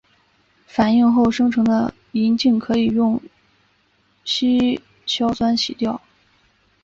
反应后生成的银镜可以用稀硝酸洗掉。